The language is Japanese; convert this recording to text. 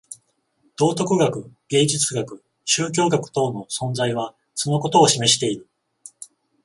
道徳学、芸術学、宗教学等の存在はそのことを示している。